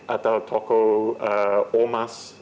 atau tokoh omas